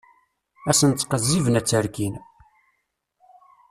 Ad sen-ttqezziben, ad tt-rkin.